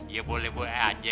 ya boleh bu aji